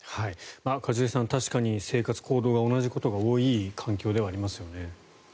一茂さん、確かに生活行動が同じことが多い環境ではありますね。